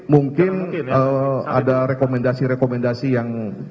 mungkin ada rekomendasi rekomendasi yang